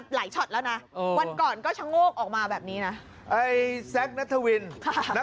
กล้าเก้าไกลการสัมภาษณ์นักการเมืองไทยไม่เหมือนเดิม